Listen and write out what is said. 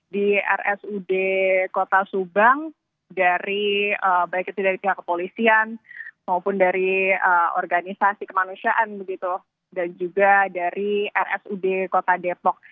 di rsud kota subang dari baik itu dari pihak kepolisian maupun dari organisasi kemanusiaan dan juga dari rsud kota depok